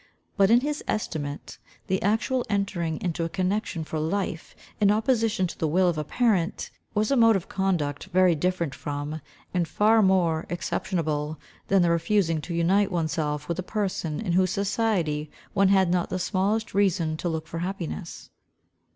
But in his estimate, the actual entering into a connection for life in opposition to the will of a parent, was a mode of conduct very different from, and far more exceptionable than the refusing to unite oneself with a person in whose society one had not the smallest reason to look for happiness.